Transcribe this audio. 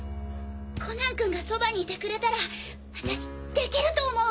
コナンくんがそばにいてくれたら私できると思う！